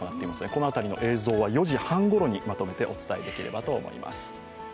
この辺りの映像は４時半ごろにまとめてお伝えできればと思います。